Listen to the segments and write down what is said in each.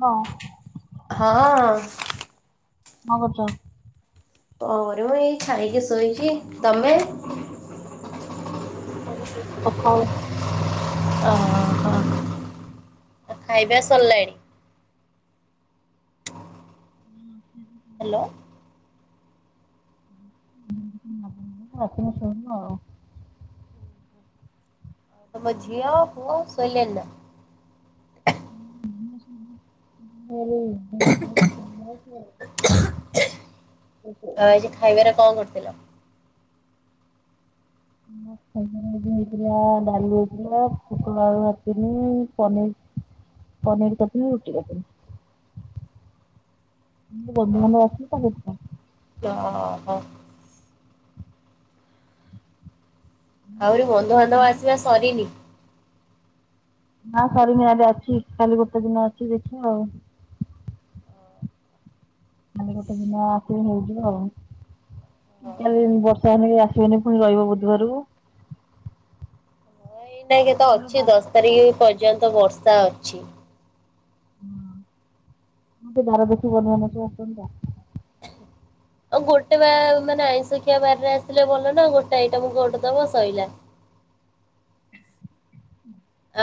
ହ। ହଁ। କଣ କରୁଚ? ପରେ ମୁଁ ଏଇ ଖାଇକି ଶୋଇଛି ତମେ? ଖାଇ ସେ କଥା ହଉନୁ? ଓ ହୋ। ଆଉ ଖାଇବା ସରିଲାଣି? ହଁ ହ୍ୟାଲୋ। [unintelligible] ଆସିଲେ ଶୋଇବ ଆଉ। ତମ ଝିଅ ପୁଅ ଶୋଇଲେ ନା। [inaudible] ଙ୍ଖୁ ଙ୍ଖୁ। [unintelligible] ତ ଆଜି ଖାଇବାରେ କଣ କରିଥିଲ? ହୁଁ। [unintelligible] ହେଇଥିଲା ଡାଲି ହେଇଥିଲା, ପୁଟଳ ଆଳୁ ଭାଜିଥିଲି, ପନିର ପନିର୍ କରିଥିଲି, ରୁଟି କରିଥିଲି। ବନ୍ଧୁବାନ୍ଧବ ଆସିଥିଲେ ତ ସେଥିପାଇଁ। ହ ହୋ। ଆହୁରି ବନ୍ଧୁବାନ୍ଧବ ସେଥିପାଇଁ। ଆସିବା ସରିନି। ନାଁ ସରିନି ଆଉ ଅଛି କାଲି ଗୋଟେ ଦିନ ଅଛି ଦେଖିବା ଆଉ। କାଲି ଗୋଟେ ଦିନ ଆସିବ ହେଇଯିବ ଆଉ। କାଲି ବର୍ଷା ହେ ଆସିବନି ପୁଣି ରହିବ ବୁଧବାରକୁ। ଦେଖ ତ ଆମର ଅଛି ଦଶ ତାରିଖ ପର୍ଯ୍ୟନ୍ତ ବର୍ଷା ଅଛି। ହୁଁ ଧାରା ଦେଖୀ ବନ ସବ ଆସତା। ଆଉ ଗୋଟେ ବା ମାନେ ଆଇଁଶଖିଆ ବାରରେ ଆସିଲେ ଭଲ ନା ଗୋଟେ ଆଇଟମ କରିଦବ ସଇଲା।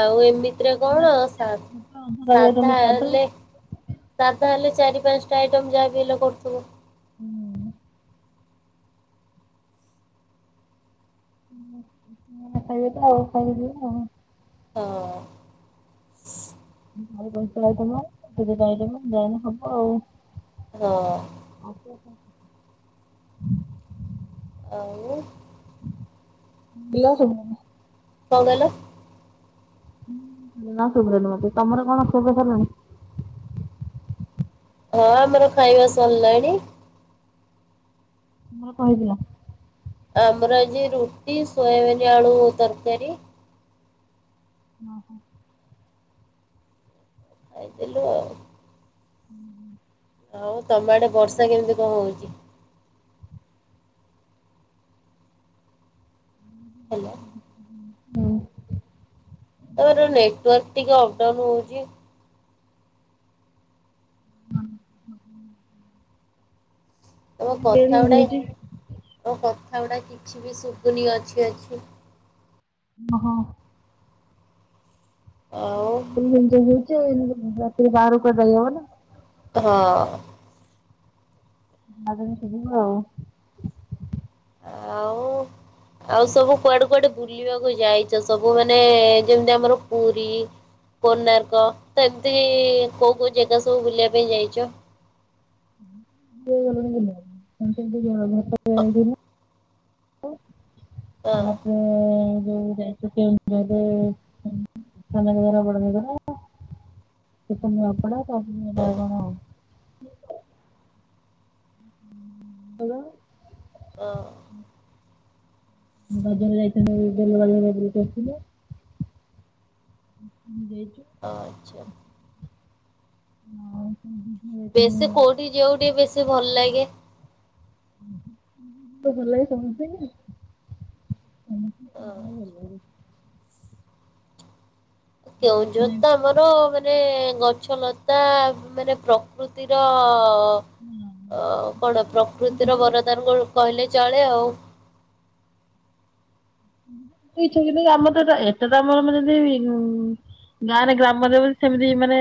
ଆଉ ଏମିତିରେ କଣ ସାଧା ରହିଯାଇଛନ୍ତି ସାଧୁ। ହେଲେ ସାଧା ହେଲେ ଚାରି ପାଞ୍ଚଟା ଆଇଟମ୍ ଯାହାବି ହେଲେ କରୁଥିବ। ହୁଁ। ଖାଇବା ତ ଆଉ ଖାଇବଉ। ହଁ। [unintelligible] ଯାଇଲେ ହବ ଆଉ। ହଁ। ଆଉ କ କହୁଚ? ଆଉ? [unintelligible] କଣ କହିଲ? ନା ଶୁଭୁନି ମତେ ତମର କଣ କ୍ଷୁଭ ସାରଣି? ହଁ ଆମର ଖାଇବା ସରିଲାଣି। ତମର କଣ ହେଇଥିଲା? ଆମର ଆଜି ରୁଟି, ସୋୟାବିନୀ ଆଳୁ ତରକାରୀ। ଓହୋ। ଖାଇଥିଲୁ ଆଉ। ହୁଁ। ଆଉ ତମ ଆଡେ ବର୍ଷା କେମିତି କଣ ହଉଛି? ହେଲା ହଁ। ତମର ନେଟୱାର୍କ ଟିକେ ଅପଡାଉନ ହଉଛି। ତମ କଥା ଗୁଡା ଏ ତମ କଥା ଗୁଡା କିଛି ବି ଶୁଭୁନି ଅଛି ଅଛି। ଓହୋ। ଆଉ। [unintelligible] ଏମିତି ହଉଛି ଆଉ ରାତିରେ ବାହାରକୁ କୁଆଡେ ଯାଇହବ ନି। ହଁ। [unintelligible] ଆଉ [inaudible] ଆଉ ସବୁ କୁଆଡେ କୁଆଡେ ବୁଲିବାକୁ ଯାଇଛ? ସବୁ ମାନେ ଯେମିତି ଆମର ପୁରୀ କୋଣାର୍କ ତ ଏମିତି କୋଉ କୋଉ ଜାଗା ସବୁ ବୁଲିବା ପାଇଁ ଯାଇଛ? [unintelligible] ହଁ ଆପ ଯଉ ଯାଇୁ। [unintelligible] ସାନ ଘାଗରା, ବଡ ଘାଗରା, ସେଠୁ ନୂଆପଡ଼ା ହଁ ତ କଣ? କଣ? ଓ ହୋ। ବଜାର କୁ ଯାଇଥିଲୁ ବେଲ ବାଲରେ ତୁ କରିଥିଲୁ। ଦେଇଛୁ? ହଁ ଆଚ୍ଛା। ହଉ। ବେଶୀ କୋଉଠି ଯିବାକୁ, ଟିକେ ବେଶୀ ଭଲ ଲାଗେ। ତ ଭଲ ଶଣତି। [unintelligible] କେଉଁଝର ତ ଆମର, ମାନେ ଗଛଲତା ମାନେ ପ୍ରକ୍ ପ୍ରକୃତିର, କଣ? ପ୍ରକୃତିର ବରଦାନ କହିଲେ ଚଳେ ଆଉ। [inaudible] ଇଛ କି, ଆମର ତ। ଏଟେ ତ ଆମର, ମାନେ ଯ [unintelligible] ଗାଁରେ ଗ୍ରାମଦେବତୀ ସେମିତି ମାନେ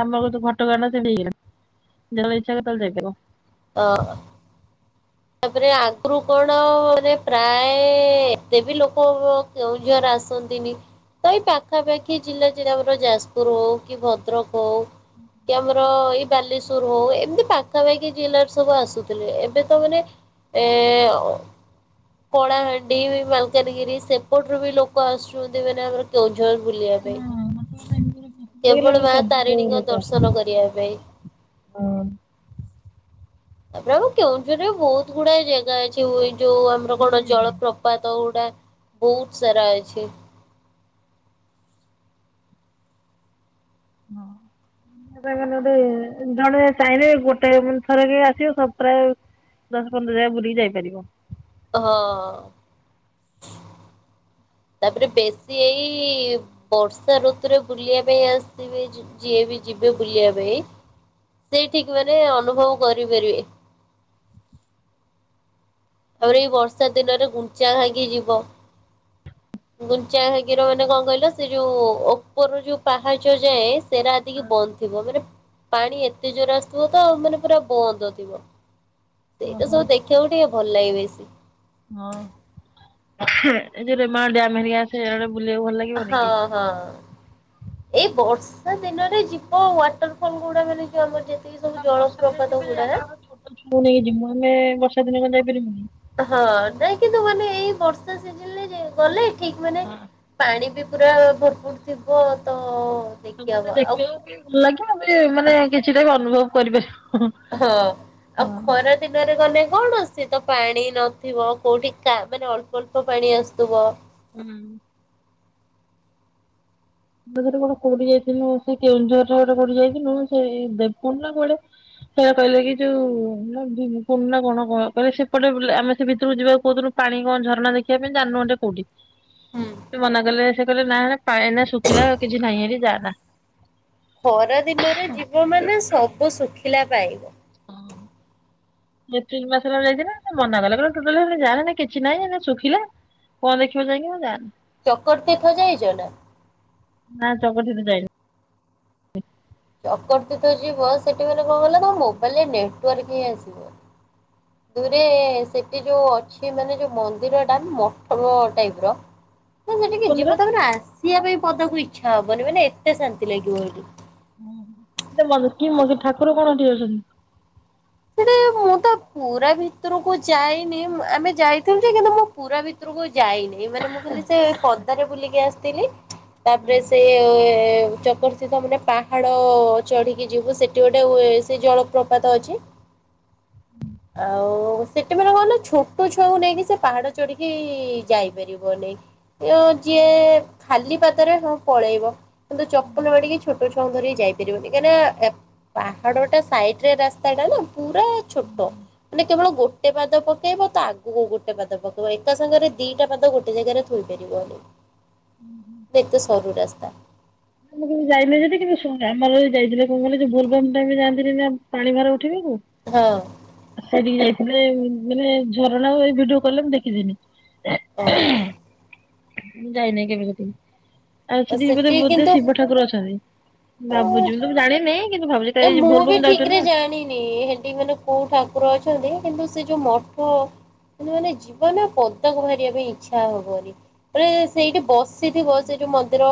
ଆମର ତ ଘଟଗାଁ ସେ ହେଇଗଲା। ଯେତେବଳେ ଇଛା ସେତେବେଳେ ଯାଇପରିବ। ଅ ତାପରେ ଆଗ୍ରୁ କଣ, ପ୍ରାୟ ଏତେ ବି ଲୋକ କେଉଁଝର ଆସନ୍ତିନି ତ ଏଇ ପାଖାପାଖି ଜିଲ୍ଲା। ଯେ ଆମର ଯାଜପୁର ହଉ, କି ଭଦ୍ର ବଦ୍ରକ୍ ହଉ କି ଆମର ଏଇ ବାଲେଶ୍ୱର ହଉ ଏମିତି ପାଖାପାଖି ଜିଲ୍ଲାରୁ ସବୁ ଆସୁଥିଲେ। ଏବେ ତ ମାନେ ଏ ଅ କଳାହାଣ୍ଡି, ମାଲକାନଗିରି ସେପଟରୁ ବି ଲୋକ ଆସୁଛନ୍ତି। ମାନେ ଆମର କେଉଁଝର ବୁଲିବା ପାଇଁ। [inaudible] ହେଇଗଲା କେବଳ ପୁରା ମା ସବୁଆଡୁ ତାରିଣୀଙ୍କ ଲୋକ ଦର୍ଶନ କରିବା ପାଇଁ। ଆସନ୍ତି। ତାପରେ, ଆମ କେଉଁଝରରେ ବହୁତ ଗୁଡାଏ ଜାଗା ଅଛି। ଇଏ ଯୋଉ ଆମ ଆମର କଣ ବୁଲିବା ପାଇଁ। ଜଳପ୍ରପାତ ଗୁଡା। ବୋ ହୁତ ସାରା ଅଛି। [inaudible] ତା ମାନେ ଗୋଟେ। ଜଣେ ଚାହିଁଲେ ଗୋଟେ ମେ ଥରକ ଆସିବ, ସ ଦଶ, ପନ୍ଦର ଜାଗା ବୁଲିକି ଯାଇପାରିବ। ହଁହଁ। ତାପରେ ବେଶୀ ଏଇ, ବର୍ଷା ଋତୁରେ ବୁଲିବା ପାଇଁ ଆସିବେ। ଯିଏ ବି ଯିବେ ବୁଲିବା ପାଇଁ। ସେଇ ଠିକ ମାନେ ଅନୁଭବ କରିପାରିବେ। ଆହୁରି ଏଇ ବର୍ଷା ଦିନରେ ଗୁଣ୍ଡିଞ୍ଚାଘାଇକି ଯିବ। [unintelligible] ଗୁଣ୍ଡିଞ୍ଚା ଘାଇକି ର ମାନେ କଣ କହିଲ? ସେ ଯୋଉ ଓପରୁ ଯୋଉ ପାହାଚ ଯାଏ ସେରା [unintelligible] ବନ୍ଦ୍ ଥିବ ମାନେ ପାଣି ଏତେ ଜୋରେ ଆସୁଥିବ ତ ଆଉ ମାନେ ପୁରା ବନ୍ଦ ଥିବ। ଏ ଓହୋ ସବୁ ଦେଖିବାକୁ ଟିକେ ଭଲ ଲାଗେ ବେଶି। ହଁ ଏ ଯୋଉ ରେମାଳ ଡ୍ୟାମ୍ ହେରିଆ ସିଆଡେ ବୁଲିବାକୁ ଭଲ ଲାଗେ। ହଁ। ହଁ। ଏଇ ବର୍ଷା ଦିନରେ ଯିବ ୱାଟର୍ ଫଲ୍ ଗୁଡ଼ା ମାନେ କିଏ ଆମର ଯେ ଯିବ। ନା ବର୍ଷା ଦିନେ ଯିବେ ଯେ ଆମର୍ ପା ଛୋଟ ଛୁଆଙ୍କୁ ନେଇକି ଯିବୁ ଆମେ ବର୍ଷା ଦିନେ କଣ ଯାଇପାରିବୁ। ହଁ ନାଇଁ କିନ୍ତୁ ମାନେ ଏଇ ବର୍ଷା ସିଯିନ୍ ରେ ଗଲେ ଠିକ୍ ମନେ ହଁ ପାଣି ବି ପୁରା ଭର ଫୁର ଥିବ ତ ଦେଖିହବ ସବୁଟା ଆଉ ଦେଖିବାକୁ କି ଭଲ ଲାଗେ ଏଇ ମାନେ କିଛିଟା ବି ଅନୁଭବ୍ କରିପାରିବ। ହଁ ଆଉ ଖରା ଦିନରେ ଗଲେ କଣ ଅଛି? ସେ ତ ପାଣି ନଥିବ କୋଉଠି ମାନେ ଅଳ୍ପ ଅଳ୍ପ ପାଣି ଆସୁଥିବ। [unintelligible] [unintelligible] କୋଉଠି କି ଯାଇଥିଲୁ ସେଇ କେଉଁଝର ଆଡେ କୁଆଡେ ଜାଇଥିନୁ ସେଇ ଦେବକୁଣ୍ଡ ନା କୁଆଡେ ସେଇଆ କହିଲେ କି ଯୋଉ ମୁଁ ନା କଣ କହ୍ କହିଲେ ସେପଟେ ବୁଲା ଆମେ ସେ ଭିତୁରୁକୁ ଯିବାକୁ କହୁଥିଲୁ [unintelligible] ପାଣି କଣ ଝରଣା ଦେଖିବା ପାଇଁ ଜାନିନୁ ହେଟା କୋଉଠି? ହୁଁ ସେ ମନା କଲେ ସେ କହିଲେ ନା ହେରା ପାଣିଆ ନା ଶୁଖିଲା କିଛି ନାହିଁ ହେଟି ଜାଆନା। ଖରାଦିନରେ ଜିବ ମାନେ ସବୁ ଶୁଖିଲା ପାଇବ। ହଁ ଏପ୍ରିଲ୍ ମାସରେ ଆମେ ଯାଇଚେ ନା ସେ ମନା କଲା କହିଲା ତୁ ଟୋଟାଲି ହେରା ଯାନି କିଛି ନାହିଁ ଏନା ଶୁଖିଲା କଣ ଦେଖିବ ଯାଇକିନା ଯାଆନି ଚକର୍ ତୀର୍ଥ ଯାଇଚ ନା? ନାଁ ଚକର୍ ତୀର୍ଥ ଯାଇନୁ। ଚକର୍ ତୀର୍ଥ ଯିବ ସେଠି ମାନେ କଣ କହିଲ କଣ ମୋବାଇଲ୍ ରେ ନେଟୱର୍କ ହିଁ ଆସି ଦୁଇରେ ସେଠି ଯୋଉ ଅଛି ମାନେ ଯୋଉ ମନ୍ଦିର ଟା ମଠ ଟାଇପ ର। ତମେ ସେଠିକି ମନ୍ଦିର ଯିବ ତ ମାନେ ଆସିବା ପାଇଁ ପଦାକୁ ଇଚ୍ଛା ହବନି ମାନେ ଏତେ ଶାନ୍ତିଲାଗିବ ହେଟି। ଦ ମଙ୍କି ମଗ ଠାକୁର କଣ ହେଠି ଅଛନ୍ତି? ସେଠି [inaudible] ମୁଁ ତ ପୁରା ଭିତରକୁ ଯାଇନି ଆମେ ଯାଇଥିଲୁ ଯେ କିନ୍ତୁ ମୁଁ ପୁରା ଭିତର ତରୁକୁ ଯାଇନି ଏଇ ମାନେ ମୁଁ ଖାଲି ସେ ପଦାରେ ବୁଲିକି ଆସିଥିଲି। ତାପରେ ସେ ଚକର ତୀର୍ଥ ମ ରେ ପାହାଡ଼ ଚଢ଼ିକି ଯିବୁ ସେଟି ଗୋଟେ ୱେ ସେ ଜଳପ୍ରପାତ ଅଛି। ଆଉ ସେଟି ମାନେ କଣ କହିଲ ଛୋଟ ଛୁଆଙ୍କୁ ନେଇକି ସେ ପାହାଡ଼ ଚଢ଼ିକି ଯାଇପାରିବନି। ଉ ଯିଏ ଖାଲି ପାଦରେ ହଁ ପଳେଇବ କିନ୍ତୁ ଚପଲ ମାଡିକି ଛୋଟ ଛୁଆ କଣ କରିକି ଯାଇପାରିବନି କାହିଁକି ନା ପାହାଡ଼ ଟା ସାଇଟ୍ ରେ ରାସ୍ତା ଟା ନା? ପୁରା ଛୋଟ ମାନେ କେବଳ ଗୋଟେ ପାଦ ପକେଇବ ତା ଆଗୁକୁ ଗୋଟେ ପାଦ ପକେଇବ ଏକା ସାଙ୍ଗରେ ଦିଟା ପାଦ ଗୋଟେ ଜାଗାରେ ଥୋଇ ପାରିବନି। [inaudible] ଯେହେତୁ ସରୁ ରାସ୍ତା। ଆମେ କେବେ ଯାଇନେ ସେଠିକି କିନ୍ତୁ ଶୁଣି ଆମର ଯାଇଥିଲେ କଣ କହିଲ ଯୋଉ ବୋଲବମ୍ ଟାଇମ ରେ ଯାଆନ୍ତିନି ନା ପାଣି ଭାର ଉଠେଇବାକୁ। ହଁ। ସେଇଟିକି ଯାଇଥିଲେ ମାନେ ଝରଣା ଆଉ ଏ ଭିଡ଼ିଓ କଲ୍ ରେ ମୁଁ ଦେଖିଦେଲି। ଓହୋ ମୁଁ ଯାଇ ନାଇ କେବେ ସେଠିକି ଆଉ ସେଠିକି ଗଲେ ସେଠି ବୋହୁତ ଠାକୁର ଅଛନ୍ତି ଭାବୁଛି ମୁଁ ତ ଜାଣିନି କିନ୍ତୁ ଭାବୁଛି ଯେ କାଳେ ମୁଁ ବି ବୋଲବମ୍ ଠିକ୍ ରେ ଯାଉଛନ୍ତି ନା। ଜାଣିନି ହେଟି ମାନେ କୋଉ ଠାକୁର ଅଛନ୍ତି କିନ୍ତୁ ସେ ଯୋଉ ମଠ ସେଟୀ ମାନେ ଜୀବନା ପଦାକୁ ବାହାରିବା ପାଇଁ ଇଚ୍ଛା ହବନି। ତାପରେ ସେଇଠି ବସିଥିବ ସେ ଯୋଉ ମନ୍ଦିର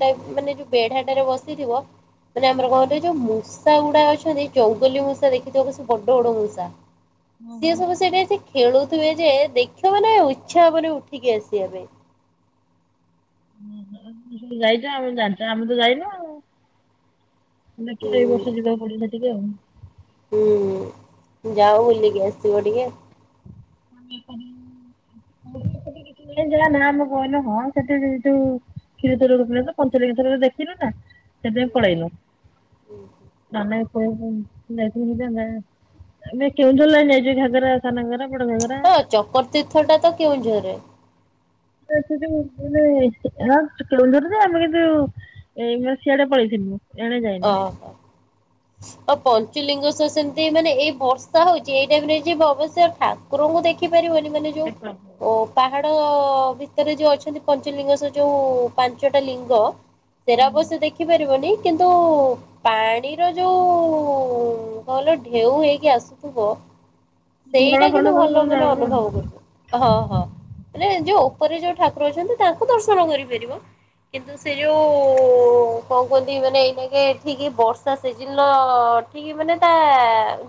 ଟାଇପ୍ ମାନେ ଯୋଉ ବେଢାଟାରେ ବସିଥିବ ମାନେ ଆମର କହନ୍ତି ଯେ ମୁଁ ମୂଷା ଗୁଡା ଅଛନ୍ତି ଜଙ୍ଗଲୀ ମୂଷା ଦେଖିଥିବ ସେ ବଡ ବଡ ମୂଷା ସିଏ ଓହୋ ସବୁ ସେଇଠି ଏଠି ଖେଳୁଥିବେ ଯେ ଦେଖିବ ମାନେ ଇଚ୍ଛା ହବନି ଉଠିକି ଆସିବା ପାଇଁ। ଯାଇଚ ଆମେ ଜା ଆମେ ତ ଯାଇନୁ ଆଉ। ଦେଖିଲ ହୁଁ ଏଇ ବର୍ଷ ଯିବାକୁ ପଡିଲା ଟିକେ ଆଉ। ହୁଁ ହୁଁ ଯାଅ ବୁଲିକି ଆସିବ ଟିକେ। ସେ ଜାଗା ନା ମ କହନା ହଁ ସେଠି ଜୀବିତ ଆଉ କ୍ଷୀରଚୋରା ଗୋପିନାଥ, ପଞ୍ଚଲିଙ୍ଗେଶ୍ଵର ଦେଖିନୁ ନା ସେଥିପାଇଁ ପଳେଇଲ। ହୁ ହୁଁ ନା ନା ସେ ଯୋଉ [unintelligible] ଆମେ କେଉଁଝର ଲାଇନ ଯାଇଚୁ ଏ ଘାଗର ସାନଘାଗରା ବଡ ଘାଗରା ହଁ ଚକର ତୀର୍ଥ ଟା ତ କେଉଁଝରରେ। ସେ ସେ ଯୋଉ ମାନେ ହଁ କେଉଁଝର ଯେ ଆମେ କିନ୍ତୁ ଏଇନା ସିଆଡେ ପଳେଇଥିଲୁ। ଏଣେ ଯାଇନୁ ଓହୋ! [inaudible] ଅ ପଞ୍ଚଲିଙ୍ଗେଶ୍ଵର ସେମିତି ମାନେ ଏଇ ବର୍ଷା ହଉଚି ଏଇ ଟାଇମରେ ଯିବ ଅବଶ୍ୟ ଠା ଠାକୁରଙ୍କୁ ଦେଖିପାରିବନି ମାନେ ଯୋଉ ଓ ପାହାଡ ଭିତରେ ଯୋଉ ଅଛନ୍ତି ପଞ୍ଚଲିଙ୍ଗେଶ୍ଵର ଯୋଉ ପାଞ୍ଚଟା ଲିଙ୍ଗ ସେଇଟା ଅବଶ୍ୟ ଦେଖି ପାରିବନି [inaudible] ପାଣିର ଯୋଉ କହିଲ ଢେଉ ହେଇକି ଆସୁଥିବ? ଧରଣା ସେଇଟା ଫରଣା କିନ୍ତୁ ସବୁ ଭଲ ଗଲେ ମାନେ ଆଉ ଅନୁଭବ କରିବ। ହଁ ହଁ, ମାନେ ଯୋଉ ଉପରେ ଯୋଉ ଠାକୁର ଅଛନ୍ତି ତାଙ୍କୁ ଦର୍ଶନ କରିପାରିବ କିନ୍ତୁ ସେ ଯୋଉ କଣ କୁହନ୍ତି ମାନେ, ଏଇ ଠିକ୍ ବର୍ଷା ସିଜିନ୍ ର ଠିକ୍ ମାନେ ତା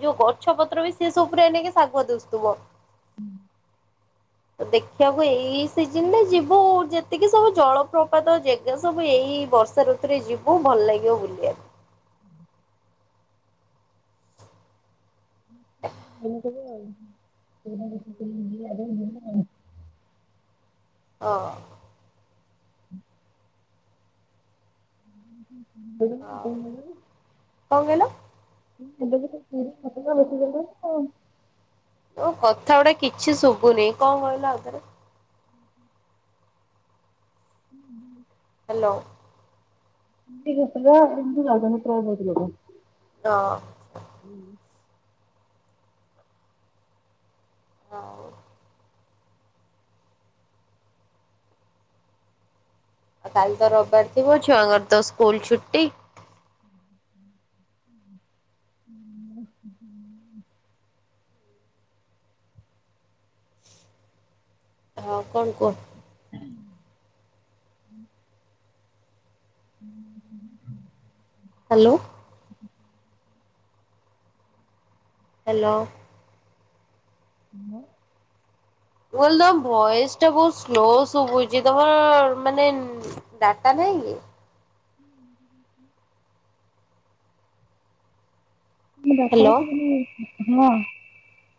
ଯୋଉ ଗଛ ପତ୍ର ବି ସେ ସବୁଗୁଡାକ ବି ଶାଗୁଆ ଦୁଶଥିବ ହୁଁ ତ ଦେଖିବାକୁ ଏଇ ସିଜିନ ରେ ଯିବ, ଯେତିକି ସବୁ ଜଳପ୍ରପାତ ଦେ ଯୋଉ ସବୁ ଏଇ ବର୍ଷା ଋତୁରେ ଯିବୁ, ଭଲ ଲାଗିବ ବୁଲିବାକୁ। [unintelligible] ହଁ ଅଁ [unintelligible] କଣ କହିଲ? [unintelligible] [unintelligible] ଓ କଥା ଗୁଡା କିଛି ଶୁଭୁନି, କଣ କହିଲ ଆଉଥରେ [unintelligible] ହାଲୋ [unintelligible] ହଁ ଅଁ ହୁଁ ଉଁ ଆଉ ଆଉ କାଲି ତ ରବିବାର ଥିବ, ଛୁଆଙ୍କର ତ ସ୍କୁଲ ଛୁଟି [unintelligible] [unintelligible] ହଁ କଣ କହ? [unintelligible] ହାଲୋ ହାଲୋ ହାଲୋ ମୁଁ କହିଲି ତମ ଭଏସ ଟା କଣ ସ୍ଲୋ ଶୁଭୁଛି, ତମେ ମାନେ ଡାଟା ନାହିଁ କି? [unintelligible] ଡାଟା ହ୍ୟାଲୋ ଅଛି [unintelligible]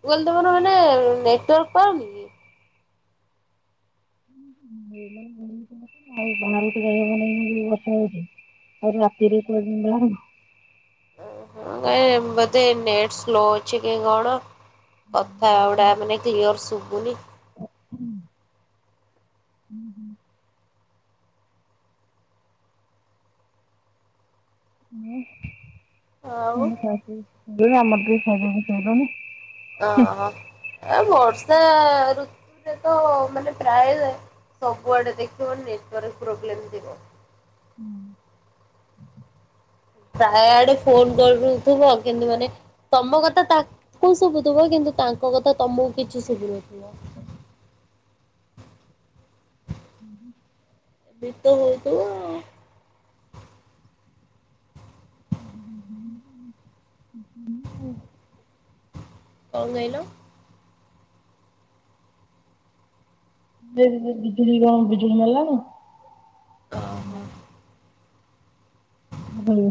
ମୁଁ କହିଲି ତମର ଗୋଟେ ନେଟୱର୍କ ପାଉନିକି? [unintelligible] ଆଉ ବାହରକୁ ଯାଇହବନି ଏମିତି ବର୍ଷା ହୋଉଛି, ଆଉ ରାତିରେ କୁଆଡେ ଜିମି ବାହାରି ନାଇଁ, ବୋଧେ ନେଟ ସ୍ଲୋ ଅଛିକି କଣ? କଥା ଗୁଡା ମାନେ କ୍ଳିଅର ଶୁଭୁନି। [unintelligible] ଆଉ [unintelligible] ହଁ ହଁ ଆ ବର୍ଷା ଋତୁ ରେ ତ ମାନେ ପ୍ରାୟ ସବୁଆଡେ ଦେଖିବ ନେଟୱାର୍କ ପ୍ରୋବ୍ଲେମ୍ ଯିବ। ହୁଁ ଉଁ ତା ଆଡୁ ଫୋନ କରିଦେଉଥିବ କିନ୍ତୁ ମାନେ ତମ କଥା ତାଙ୍କୁ ଶୁଭୁଥିବ, କିନ୍ତୁ ତାଙ୍କ ମୋ କଥା ତମକୁ କିଛି ଶୁଭୁ ନଥିବ। ହୁଁ ହୁଁ ଶୀତ ହୋଉଥିବ ଆଉ। [unintelligible] କଣ କହିଲ? ସେ ଯିବେ ବିଜୁଳି କଣ ବିଜୁଳି ନେଲା ନା। ଅ ହୋ। ବୁବୁଲୁ